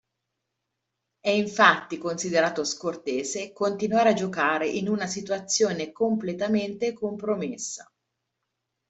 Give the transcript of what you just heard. È infatti considerato scortese continuare a giocare in una situazione completamente compromessa.